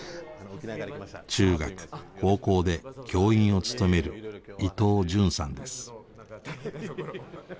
中学高校で教員を務める伊藤潤さんです。